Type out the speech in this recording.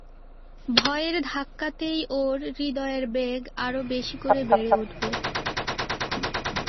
ভয়ের ধাক্কাতেই ওর হৃদয়ের বেগ আরো বেশি করে বেড়ে উঠবে।